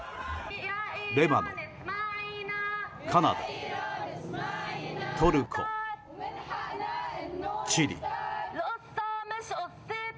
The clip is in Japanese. レバノン、カナダトルコ、チリ。